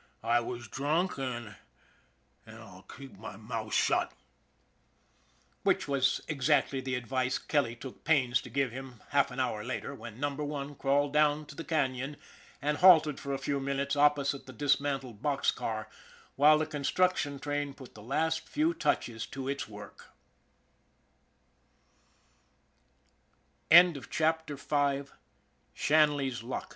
I was drunk an' I'll keep my mouth shut." Which was exactly the advice Kelly took pains to give him half an hour later, when Number One crawled down to the Canon and halted for a few minutes op posite the dismantled box car, while the construction train put the last few touches to